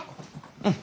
うん。